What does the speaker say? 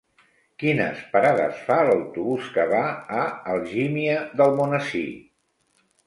Quines parades fa l'autobús que va a Algímia d'Almonesir?